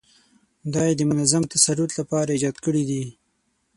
دا یې د منظم تسلط لپاره ایجاد کړي دي.